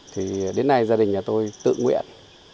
thì đến nay gia đình nhà tôi tự nguyện